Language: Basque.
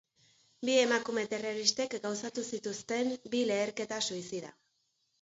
Bi emakume terroristek gauzatu zituzten bi leherketa-suizida.